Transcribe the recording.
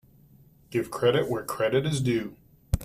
Give credit where credit is due.